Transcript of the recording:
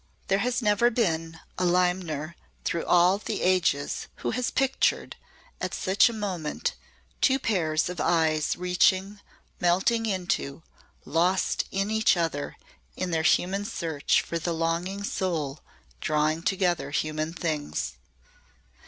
There has never been a limner through all the ages who has pictured at such a moment two pairs of eyes reaching, melting into, lost in each other in their human search for the longing soul drawing together human things.